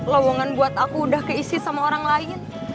lowongan buat aku udah keisi sama orang lain